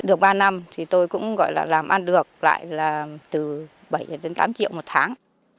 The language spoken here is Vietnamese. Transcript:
được ba năm thì tôi cũng gọi là làm ăn được lại là từ bảy đến tám triệu một tháng